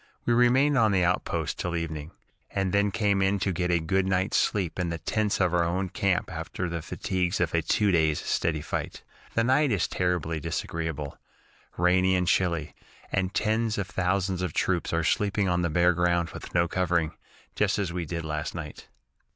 We remained on the outposts till evening, and then came in to get a good night's sleep in the tents of our own camp after the fatigues of a two days' steady fight. The night is terribly disagreeable rainy and chilly and tens of thousands of troops are sleeping on the bare ground with no covering, just as we did last night.